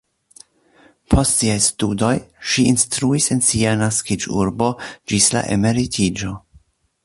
Post siaj studoj ŝi instruis en sia naskiĝurbo ĝis la emeritiĝo.